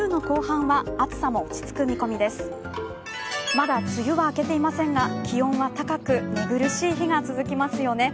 まだ梅雨は明けていませんが気温は高く寝苦しい日が続きますよね。